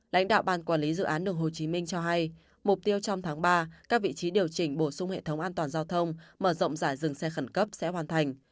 lãnh đạo ban quản lý dự án đường hồ chí minh cho hay mục tiêu trong tháng ba các vị trí điều chỉnh bổ sung hệ thống an toàn giao thông mở rộng giải dừng xe khẩn cấp sẽ hoàn thành